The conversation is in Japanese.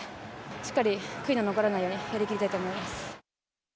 しっかり悔いの残らないようにやりきりたいと思います。